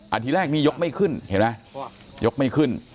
ทีแรกนี่ยกไม่ขึ้นเห็นไหมยกไม่ขึ้น